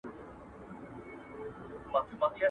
ميرمن هیڅکله د خاوند حقوق نه پايمالوي.